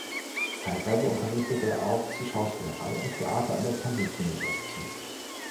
Zeitweise unterrichtete er auch zu Schauspielerei und Theater an der Cambridge University.